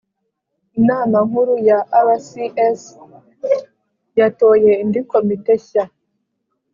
inama nkuru ya rcs yatoye indi komite shya